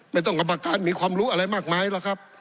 ไม่ต้องกรรมการมีความรู้อะไรมากมายหรอกครับ